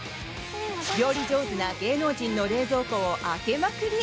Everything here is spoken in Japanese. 料理上手な芸能人の冷蔵庫を開けまくり！